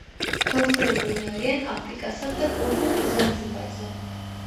გავრცელებულნი არიან აფრიკასა და კუნძულ ზანზიბარზე.